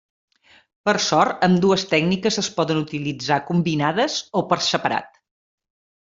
Per sort, ambdues tècniques es poden utilitzar combinades o per separat.